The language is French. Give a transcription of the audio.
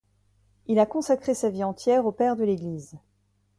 Il a consacré sa vie entière aux Pères de l'Église.